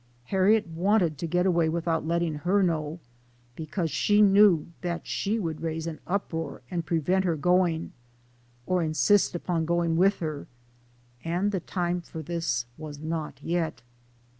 Harriet wanted to get away without letting her know, because she knew that she would raise an uproar and prevent her going, or insist upon going with her, and the LIFE OF HARRIET TUBMAN. 17 time for this was not yet.